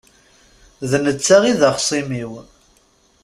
D netta i d axṣim-iw.